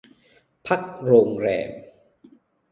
พักโรงแรม